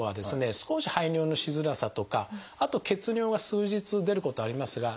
少し排尿のしづらさとかあと血尿が数日出ることはありますが大抵はすぐ治まります。